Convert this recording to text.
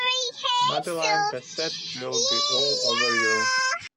Madeline Bassett will be all over you.